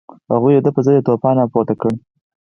هغوی د ده په ضد یو توپان راپورته کړ.